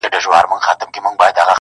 دلته رنګین، رنګین خوبونه لیدل٫